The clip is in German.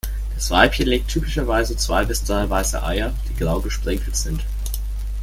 Das Weibchen legt typischerweise zwei bis drei weiße Eier, die grau gesprenkelt sind.